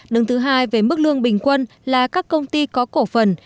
đứng thứ hai về mức lương bình quân là các công ty có cổ phần